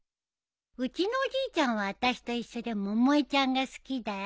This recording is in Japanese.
うちのおじいちゃんはあたしと一緒で百恵ちゃんが好きだよ。